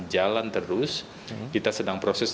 jalan terus kita sedang proses